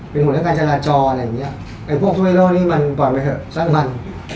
เป็นห่วงเรื่องการจราจรอะไรอย่างเงี้ยไอ้พวกฮีโร่นี่มันปล่อยไปเถอะสั้นมัน